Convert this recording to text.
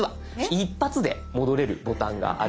一発で戻れるボタンがあります。